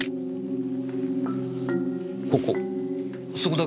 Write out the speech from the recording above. ここ。